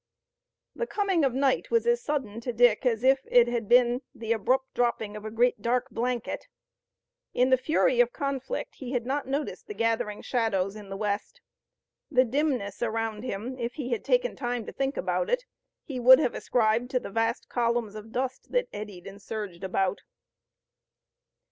The coming of night was as sudden to Dick as if it had been the abrupt dropping of a great dark blanket. In the fury of conflict he had not noticed the gathering shadows in the west. The dimness around him, if he had taken time to think about it, he would have ascribed to the vast columns of dust that eddied and surged about.